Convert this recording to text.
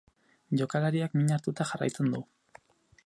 Jokalariak min hartuta jarraitzen du.